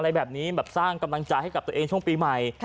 อะไรแบบนี้แบบสร้างกำลังใจให้กับตัวเองช่วงปีใหม่